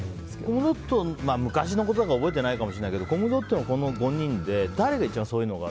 コムドット、昔のことだから覚えてないかもしれないけどこの５人で誰が一番そういうのが